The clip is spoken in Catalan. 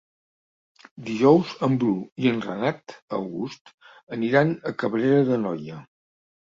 Dijous en Bru i en Renat August aniran a Cabrera d'Anoia.